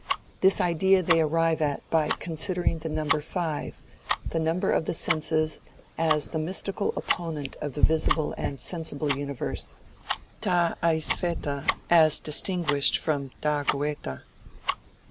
They arrived at this idea by considering the number five, the number of the senses, as the mystical opponent of the visible and sensible universe ta aistheta, as distinguished from ta noita.